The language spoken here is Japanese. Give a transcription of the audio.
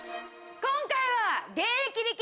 今回は。